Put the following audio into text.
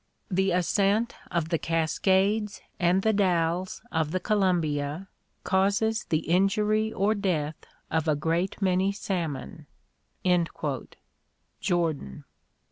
The ascent of the Cascades and the Dalles of the Columbia causes the injury or death of a great many salmon" (Jordan).